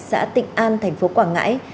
xã tịnh an tp quảng ngãi